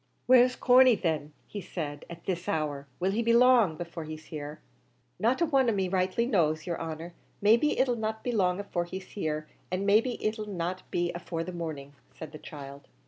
"Where's Corney, then," he said, "at this hour? Will he be long before he's here?" "Not a one of me rightly knows, yer honer; maybe it 'll not be long afore he's here, and maybe it 'll not be afore the morning," said the child.